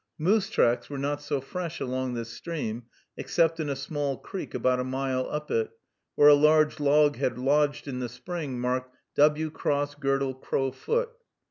Moose tracks were not so fresh along this stream, except in a small creek about a mile up it, where a large log had lodged in the spring, marked "W cross girdle crow foot."